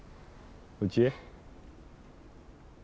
うちへ？